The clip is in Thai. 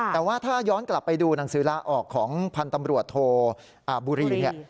แต่ว่าถ้าย้อนกลับไปดูหนังสือลาออกของพันธ์ตำรวจโทอาบุรีเนี่ย